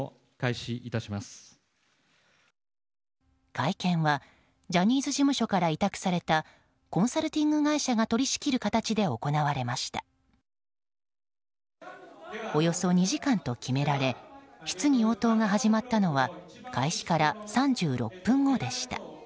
会見はジャニーズ事務所から委託されたコンサルティング会社が取り仕切る形でおよそ２時間と決められ質疑応答が始まったのは開始から３６分後でした。